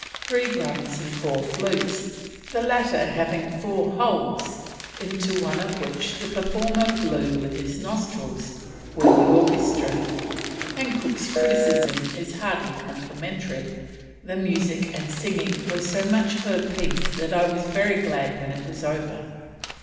Three drums and four flutes, the latter having four holes into one of which the performer blew with his nostrils, were the orchestra, and Cook's criticism is hardly complimentary: "The music and singing were so much of a piece that I was very glad when it was over."